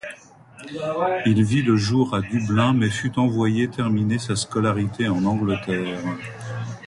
Il vit le jour à Dublin mais fut envoyé terminer sa scolarité en Angleterre.